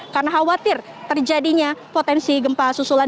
karena khawatir terjadinya potensi gempas susulan